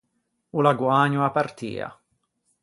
O l’à guägno a partia.